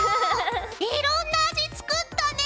いろんな味作ったねぇ！